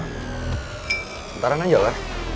bentaran aja lah